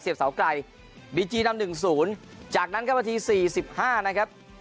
เสียบเสาไกรบีจีนำหนึ่งศูนย์จากนั้นก็ประทีสี่สิบห้านะครับ